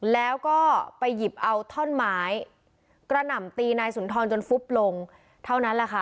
แล้วก็ไปหยิบเอาท่อนไม้กระหน่ำตีนายสุนทรจนฟุบลงเท่านั้นแหละค่ะ